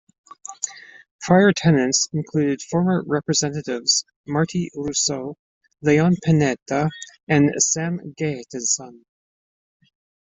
Prior tenants included former Representatives Marty Russo, Leon Panetta and Sam Gejdenson.